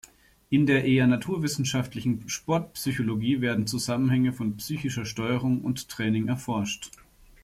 In der eher naturwissenschaftlichen "Sportpsychologie" werden Zusammenhänge von psychischer Steuerung und Training erforscht.